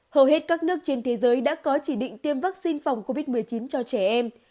hầu hết các nước trên thế giới đã có chỉ định tiêm vaccine phòng covid một mươi chín cho trẻ em